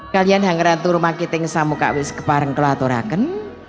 kalian yang ngerantur makiting samukawis kepareng kelaturakan